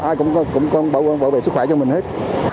ai cũng có bảo vệ sức khỏe cho mình hết